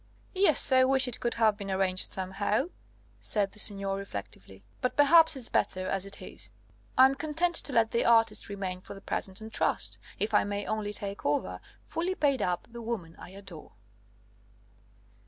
"Yes, I wish it could have been arranged somehow," said the Seigneur, reflectively; "but perhaps it's better as it is. I am content to let the artist remain for the present on trust, if I may only take over, fully paid up, the woman I adore!"